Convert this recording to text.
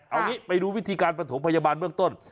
เอางี้ไปดูวิธีการประถมพยาบาลเบื้องต้น